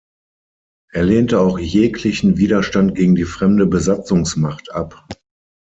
Er lehnte auch jeglichen Widerstand gegen die fremde Besatzungsmacht ab.